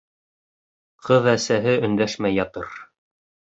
Ҡыҙ әсәһе өндәшмәй ятыр.